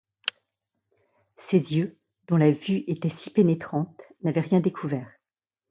Ses yeux, dont la vue était si pénétrante, n’avaient rien découvert.